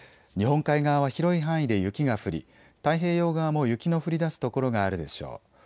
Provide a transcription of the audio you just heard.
日本海側は広い範囲で雪が降り太平洋側も雪の降りだす所があるでしょう。